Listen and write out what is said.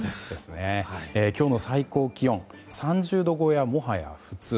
今日の最高気温、３０度超えはもはや普通。